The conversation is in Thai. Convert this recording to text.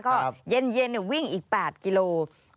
ก็เย็นวิ่งอีก๘กิโล